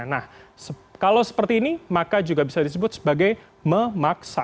nah kalau seperti ini maka juga bisa disebut sebagai memaksa